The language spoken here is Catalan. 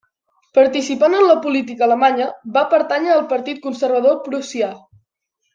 Participant en la política alemanya, va pertànyer al partit conservador prussià.